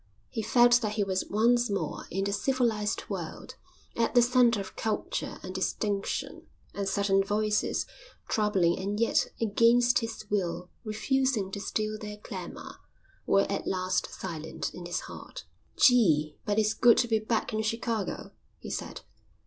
He felt that he was once more in the civilised world, at the centre of culture and distinction; and certain voices, troubling and yet against his will refusing to still their clamour, were at last silent in his heart. "Gee, but it's good to be back in Chicago," he said.